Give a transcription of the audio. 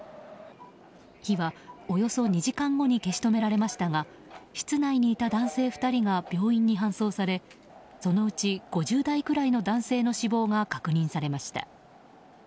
火は、およそ２時間後に消し止められましたが室内にいた男性２人が病院に搬送されそのうち５０代くらいの男性の死亡が確認されました。